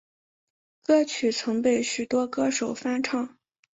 歌曲曾被许多歌手翻唱。